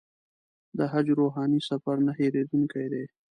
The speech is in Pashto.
د حج روحاني سفر نه هېرېدونکی دی.